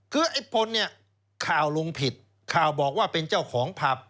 คือไอ้พลเนี่ยข่าวลงผิดข่าวบอกว่าเป็นเจ้าของผับ